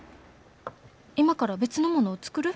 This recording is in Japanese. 今から別のものを作る？